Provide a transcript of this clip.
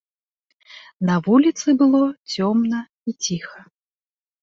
На вуліцы было цёмна і ціха.